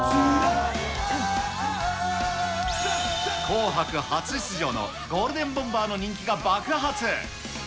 紅白初出場のゴールデンボンバーの人気が爆発。